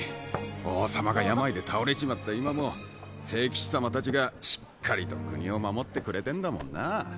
王様が病で倒れちまった今も聖騎士様たちがしっかりと国を守ってくれてんだもんな。